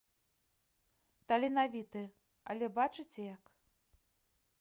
Таленавіты, але бачыце як.